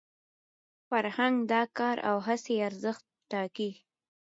فرهنګ د کار او هڅي ارزښت ټاکي.